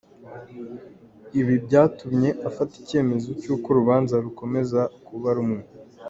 Ibi byatumye afata icyemezo cy’uko urubanza rukomeza kuba rumwe.